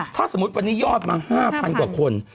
ถ้าสมมุติวันนี้ยอดมา๕๐๐กว่าคน